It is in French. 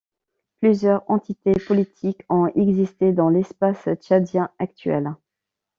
Plusieurs entités politiques ont existé dans l'espace tchadien actuel.